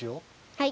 はい。